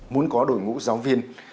muốn có đội ngũ giáo viên